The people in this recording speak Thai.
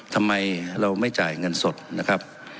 ทำไมเราไม่จ่ายเงินสดนะครับ